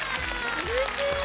うれしい！